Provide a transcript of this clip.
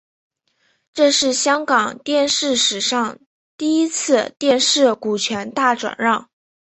这是香港电视史上第一次电视股权大转让。